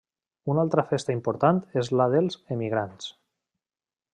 Una altra festa important és la 'dels emigrants'.